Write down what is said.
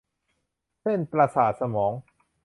เส้นประสาทสมอง